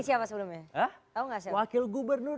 siapa sebelumnya ah tahu nggak wakil gubernur